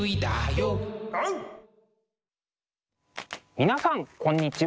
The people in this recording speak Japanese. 皆さんこんにちは。